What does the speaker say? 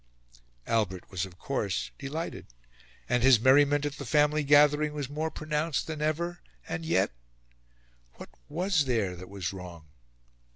Albert was of course delighted, and his merriment at the family gathering was more pronounced than ever: and yet... what was there that was wrong?